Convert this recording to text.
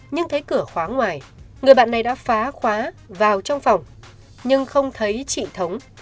nhưng thấy cửa khóa ngoài người bạn này đã phá khóa vào trong phòng nhưng không thấy chị thống